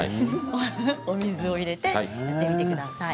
お水を入れてやってみてください。